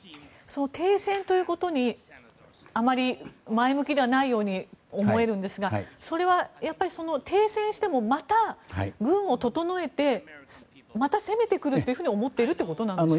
停戦ということにあまり前向きではないように思えるんですが、それはやっぱり停戦しても、軍を整えてまた攻めてくると思っているということでしょうか。